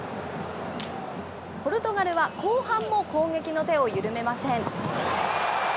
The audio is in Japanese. ポルトガルは後半も攻撃の手を緩めません。